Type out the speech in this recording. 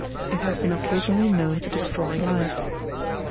It has been occasionally known to destroy life.